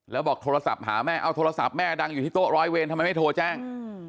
แล้วบอกโทรศัพท์หาแม่เอาโทรศัพท์แม่ดังอยู่ที่โต๊ร้อยเวรทำไมไม่โทรแจ้ง